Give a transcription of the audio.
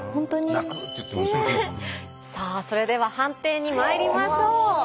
さあそれでは判定にまいりましょう。